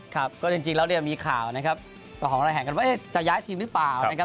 ก็จริงแล้วมีข่าวนะครับหลังของอะไรแห่งกันว่าจะย้ายทีมหรือเปล่า